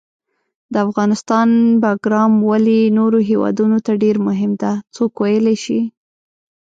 د افغانستان باګرام ولې نورو هیوادونو ته ډېر مهم ده، څوک ویلای شي؟